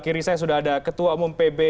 kiri saya sudah ada ketua umum pb